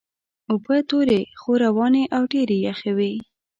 اوبه تورې خو روانې او ډېرې یخې وې.